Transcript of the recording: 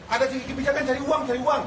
ada kebijakan cari uang cari uang